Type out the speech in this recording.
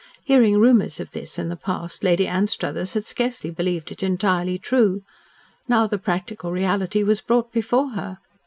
Hearing rumours of this in the past, Lady Anstruthers had scarcely believed it entirely true. Now the practical reality was brought before her.